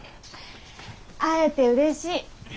会えてうれしい。